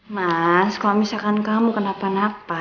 mas kalau misalkan kamu kenapa napa